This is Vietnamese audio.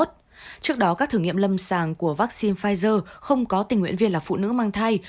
trước đó các thử nghiệm lâm sàng của vaccine pfizer không có tình nguyện viên là phụ nữ mang thai